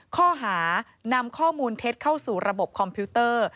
ข้อหานำข้อมูลเท็จเข้าสู่ระบบคอมพิวเตอร์